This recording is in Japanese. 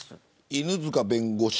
犬塚弁護士。